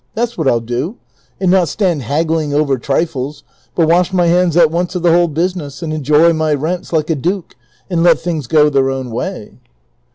That's what I '11 do, and not stand haggling over trifles, but wash my hands at once of the whole business, and enjoy my rents like a duke, and let things go their own way."